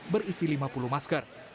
berisi lima puluh masker